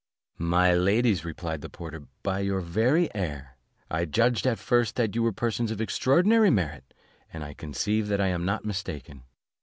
'" "My ladies," replied the porter, "by your very air, I judged at first that you were persons of extraordinary merit, and I conceive that I am not mistaken.